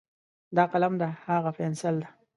دا قلم ده، هاغه پینسل ده.